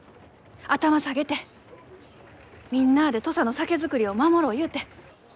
頭下げてみんなあで土佐の酒造りを守ろうゆうて。